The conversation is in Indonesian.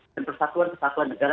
dan persatuan persatuan negara